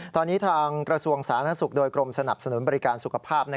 ตอนนี้ทางกระทรวงสาธารณสุขโดยกรมสนับสนุนบริการสุขภาพ